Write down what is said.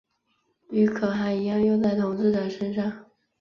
与可汗一样用在统治者身上。